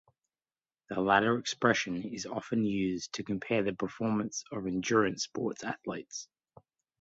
The latter expression is often used to compare the performance of endurance sports athletes.